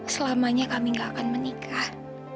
selamanya kami gak akan menikah